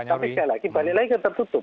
tapi sekali lagi balik lagi ke tertutup